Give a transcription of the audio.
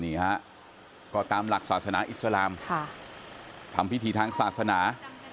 นี่ฮะก็ตามหลักศาสนาอิสลามทำพิธีทางศาสนา